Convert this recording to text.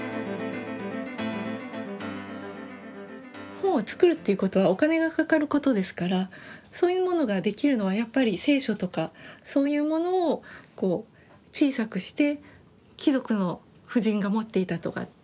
本を作るということはお金がかかることですからそういうものができるのはやっぱり聖書とかそういうものを小さくして貴族の婦人が持っていたとか。